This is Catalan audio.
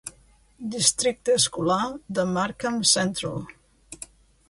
Districte escolar de Markham Central.